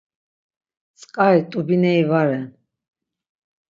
Tzǩari t̆ubineri va ren.